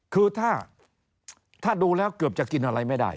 คือถ้าดูแล้วเกือบจะกินอะไรไม่ได้